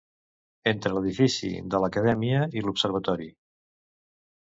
Entre l'edifici de l'Acadèmia i l'Observatori.